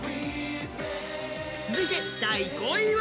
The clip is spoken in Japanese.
続いて第５位は